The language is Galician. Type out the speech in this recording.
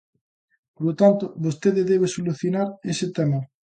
Polo tanto, vostede debe solucionar ese tema.